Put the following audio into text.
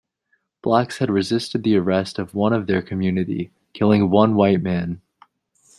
Blacks had resisted the arrest of one of their community, killing one white man.